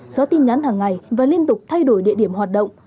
xóa tin nhắn hàng ngày và liên tục thay đổi địa điểm hoạt động